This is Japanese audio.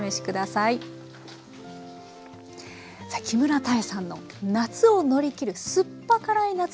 さあ木村多江さんの夏を乗り切る酸っぱ辛い夏